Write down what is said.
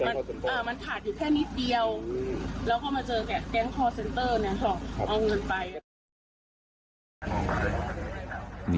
แล้วก็มาเจอกับแก๊งคอร์เซนเตอร์เนี่ยค่ะเอาเงินไป